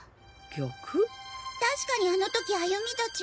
確かにあの時歩美たち。